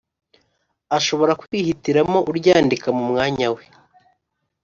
ashobora kwihitiramo uryandika mu mwanya we